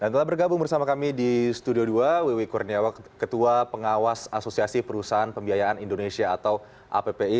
yang telah bergabung bersama kami di studio dua wiwi kurniawa ketua pengawas asosiasi perusahaan pembiayaan indonesia atau appi